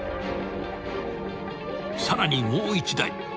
［さらにもう一台］